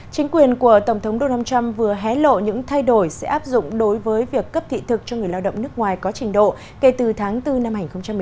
chính quyền của tổng thống donald trump vừa hé lộ những thay đổi sẽ áp dụng đối với việc cấp thị thực cho người lao động nước ngoài có trình độ kể từ tháng bốn năm hai nghìn một mươi chín